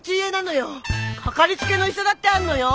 掛かりつけの医者だってあんのよ！